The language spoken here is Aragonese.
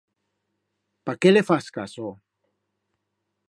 Pa qué le fas caso?